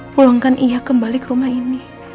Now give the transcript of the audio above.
pulangkan ia kembali ke rumah ini